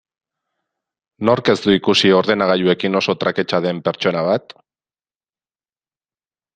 Nork ez du ikusi ordenagailuekin oso traketsa den pertsona bat?